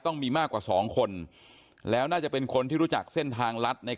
ต้องมีมากกว่า๒คนแล้วน่าจะเป็นคนที่รู้จักเส้นทางลัดใน